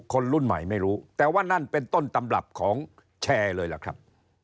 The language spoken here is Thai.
คนรุ่นใหม่ไม่รู้แต่ว่านั่นเป็นต้นตำรับของแชร์เลยล่ะครับ